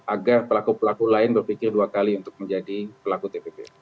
agar pelaku pelaku lain berpikir dua kali untuk menjadi pelaku tppu